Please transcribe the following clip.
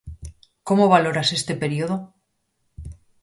Como valoras este período?